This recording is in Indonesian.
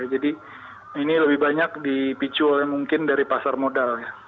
ini lebih banyak dipicu oleh mungkin dari pasar modal